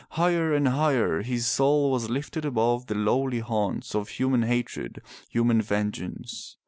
Higher and higher his soul was lifted above the lowly haunts of human hatred, human vengeance.